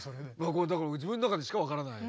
これだから自分の中でしか分からない。